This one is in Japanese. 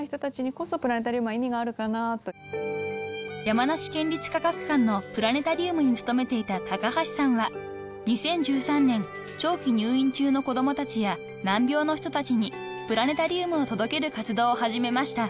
［山梨県立科学館のプラネタリウムに勤めていた高橋さんは２０１３年長期入院中の子供たちや難病の人たちにプラネタリウムを届ける活動を始めました］